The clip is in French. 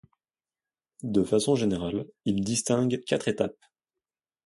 De façon générale, ils distinguent quatre étapes.